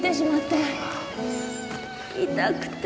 痛くて。